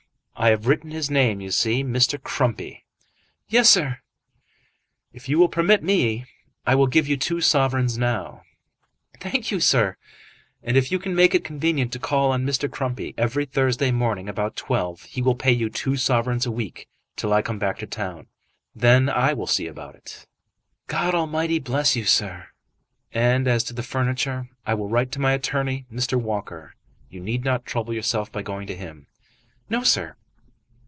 "I have written his name, you see. Mr. Crumpy." "Yes, sir." "If you will permit me, I will give you two sovereigns now." "Thank you, sir." "And if you can make it convenient to call on Mr. Crumpy every Thursday morning about twelve, he will pay you two sovereigns a week till I come back to town. Then I will see about it." "God Almighty bless you, sir!" "And as to the furniture, I will write to my attorney, Mr. Walker. You need not trouble yourself by going to him." "No, sir."